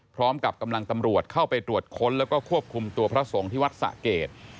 พร้อมกับกำลังตำรวจเข้าไปตรวจค้นแล้วก็ควบคุมตัวพระสงฆ์ที่วัดสะเกด